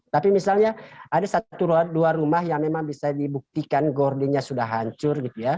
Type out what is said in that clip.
tapi misalnya ada satu dua rumah yang memang bisa dibuktikan gordinnya sudah hancur